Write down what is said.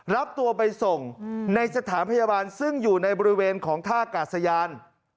รับตัวไปส่งในสถานพยาบาลซึ่งอยู่ในบริเวณของท่ากาศยาน